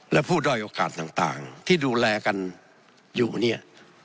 และผู้ด้อยโอกาสต่างที่ดูแลกันอยู่เนี่ย